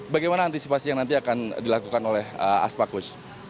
bagaimana antisipasi yang nanti akan dilakukan oleh aspak kus